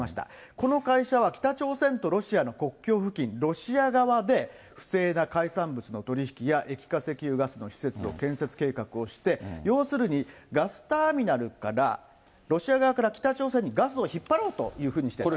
この会社は、北朝鮮とロシアの国境付近、ロシア側で不正な海産物の取り引きや液化石油ガスの施設の建設計画をして、要するにガスターミナルからロシア側から、北朝鮮にガスを引っ張ろうというふうにしていたと。